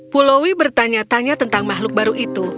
pulaui bertanya tanya tentang makhluk baru itu